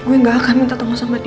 gue gak akan minta temu sama dia